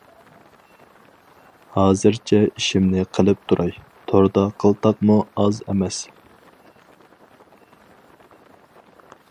ھازىرچە ئىشىمنى قىلىپ تۇراي، توردا قىلتاقمۇ ئاز ئەمەس.